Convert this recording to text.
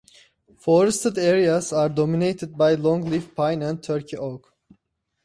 Forested areas are dominated by longleaf pine and turkey oak.